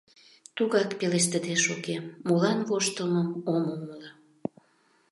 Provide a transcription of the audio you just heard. Тугакак пелештыде шогем, молан воштылмым ом умыло.